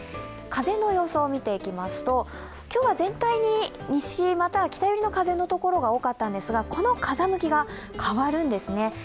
風の予想、見ていきますと、今日は全体に西、または北寄りの風のところが多かったんですが、この風向きが変わるんですね。